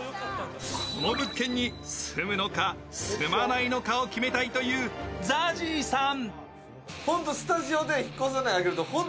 この物件に住むのか、住まないのかを決めたいというＺＡＺＹさん。